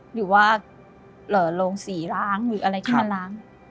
หรือว่าโรงสีล้างหรืออะไรที่มันล้าง